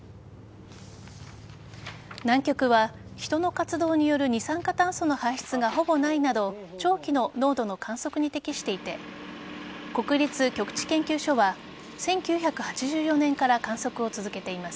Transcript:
南極は人の活動による二酸化炭素の排出がほぼないなど長期の濃度の観測に適していて国立極地研究所は１９８４年から観測を続けています。